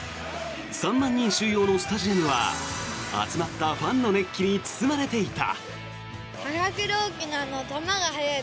３万人収容のスタジアムは集まったファンの熱気に包まれていた。